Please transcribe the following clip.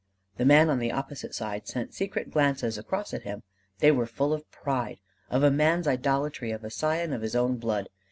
The man on the opposite side sent secret glances across at him: they were full of pride, of a man's idolatry of a scion of his own blood.